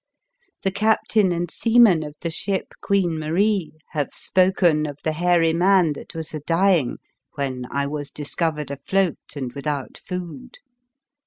The captain and seamen of the ship Queen Marie have spoken of the hairy man that was a dying when I was discovered afloat and with out food.